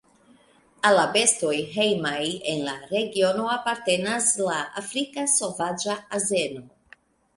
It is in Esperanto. Al la bestoj hejmaj en la regiono apartenas la Afrika sovaĝa azeno.